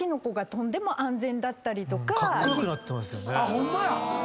ホンマや！